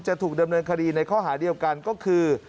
จะถูกดำเนินคดีในข้อหาเดียวกันก็คือ